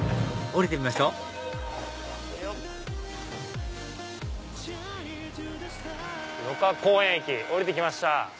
降りてみましょう芦花公園駅降りて来ました。